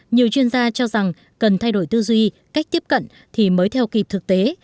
nhiều chuyên gia cho rằng cần thay đổi tư duy cách tiếp cận thì mới theo kịp thực tế